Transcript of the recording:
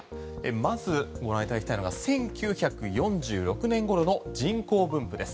まずご覧いただきたいのが１９４６年頃の人口分布です。